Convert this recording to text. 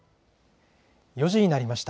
４時になりました。